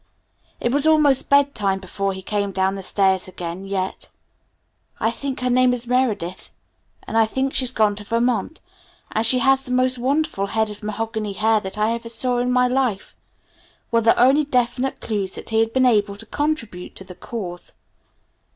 It was almost bed time before he came down the stairs again, yet, "I think her name is Meredith, and I think she's gone to Vermont, and she has the most wonderful head of mahogany colored hair that I ever saw in my life," were the only definite clues that he had been able to contribute to the cause.